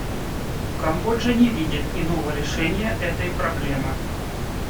Камбоджа не видит иного решения этой проблемы.